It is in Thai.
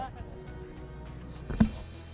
แม่หนูขอโทษนะ